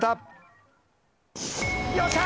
よっしゃ！